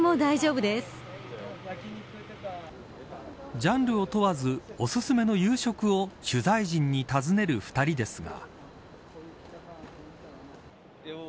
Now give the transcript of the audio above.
ジャンルを問わずおすすめの夕食を取材陣に尋ねる２人ですが。